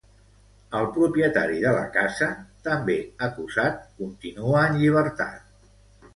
El propietari de la casa, també acusat, continua en llibertat.